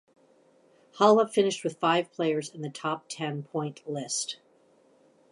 Halla finished with five players in the top ten point list.